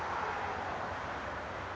sudah ada dua puluh empat jam